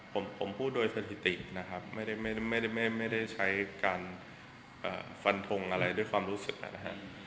ผมพูดโดยสถิตินะครับไม่ได้ใช้การฟันทงอะไรด้วยความรู้สึกนะครับ